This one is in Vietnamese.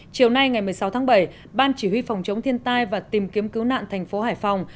chiều nay ngày một mươi sáu tháng bảy ban chỉ huy phòng chống thiên tai và tìm kiếm cứu nạn thành phố hải phòng